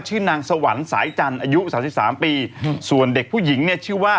ชื่อนางสวรรค์สายจันทร์อายุ๓๓ปีส่วนเด็กผู้หญิงเนี่ยชื่อว่า